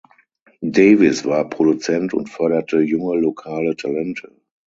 Davis war Produzent und förderte junge lokale Talente.